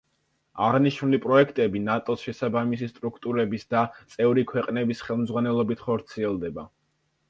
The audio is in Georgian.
აღნიშნული პროექტები ნატოს შესაბამისი სტრუქტურების და წევრი ქვეყნების ხელმძღვანელობით ხორციელდება.